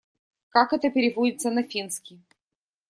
Как это переводится на финский?